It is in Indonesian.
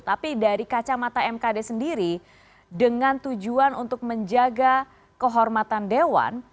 tapi dari kacamata mkd sendiri dengan tujuan untuk menjaga kehormatan dewan